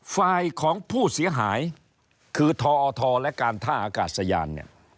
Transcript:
ความอื่นของผู้เสียหายคือทออทอและการท่าอากาศสยาน